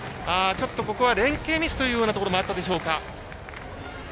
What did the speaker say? ちょっと連係ミスというところもあったでしょうか。